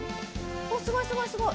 おすごいすごいすごい！